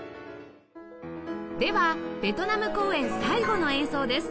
ではベトナム公演最後の演奏です